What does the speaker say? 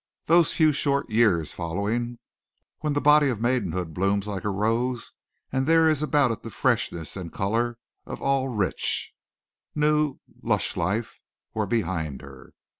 Those few short years following, when the body of maidenhood blooms like a rose and there is about it the freshness and color of all rich, new, lush life, were behind her.